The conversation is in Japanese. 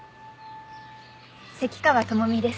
関川朋美です。